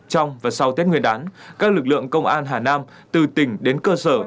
trong và sau tết nguyên đán các lực lượng công an hà nam từ tỉnh đến cơ sở